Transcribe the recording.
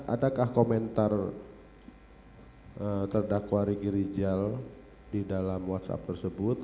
adakah komentar terdakwa riki rijal di dalam whatsapp tersebut